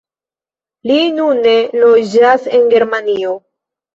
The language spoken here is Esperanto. Li nune loĝas en Germanio.